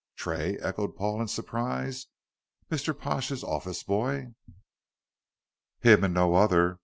"Tray," echoed Paul in surprise. "Mr. Pash's office boy?" "Him and none other.